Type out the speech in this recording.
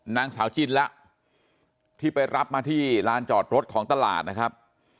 นางสาวจินแล้วที่ไปรับมาที่ลานจอดรถของตลาดนะครับ